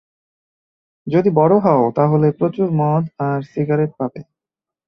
যদি বড়ো হও, তাহলে প্রচুর মদ আর সিগারেট পাবে।